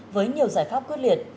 với nhiều giải pháp quyết liệt